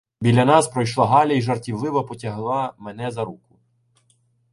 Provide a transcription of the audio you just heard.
Біля нас пройшла Галя і жартівливо потягла мене за руку.